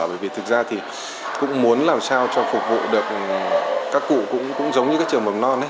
bởi vì thực ra thì cũng muốn làm sao cho phục vụ được các cụ cũng giống như các trường mầm non